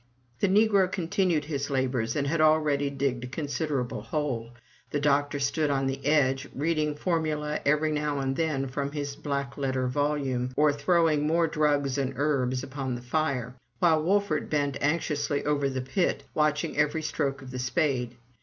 The negro continued his labors, and had already digged a considerable hole. The doctor stood on the edge, reading formulae every now and then from his black letter volume, or throwing more drugs and herbs upon the fire; while Wolfert bent anxiously over the pit, watching every stroke of the spade.